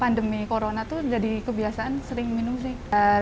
pandemi corona tuh jadi kebiasaan sering minum sih